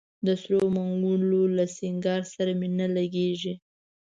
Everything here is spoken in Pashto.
د سرو منګولو له سینګار سره مي نه لګیږي